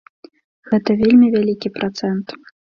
Гэта вельмі вялікі працэнт.